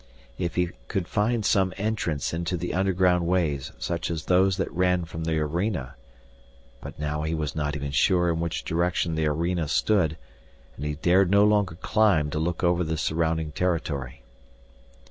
If he could find some entrance into the underground ways such as those that ran from the arena But now he was not even sure in which direction the arena stood, and he dared no longer climb to look over the surrounding territory.